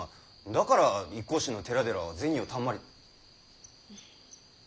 だから一向宗の寺々は銭をたんまり。